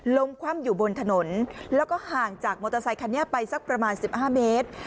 คว่ำอยู่บนถนนแล้วก็ห่างจากมอเตอร์ไซคันนี้ไปสักประมาณ๑๕เมตร